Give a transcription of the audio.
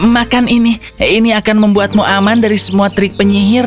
makan ini ini akan membuatmu aman dari semua tersesat